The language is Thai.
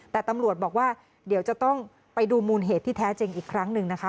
แต่ตำรวจบอกว่าเดี๋ยวจะต้องไปดูมูลเหตุที่แท้จริงอีกครั้งหนึ่งนะคะ